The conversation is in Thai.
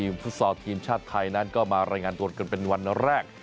ทีมชัดไทยกับวันนี้หนักเตะทีมฟุตสอทีมชาติไทยนั้นก็มารายงานตัวเป็นวันแรก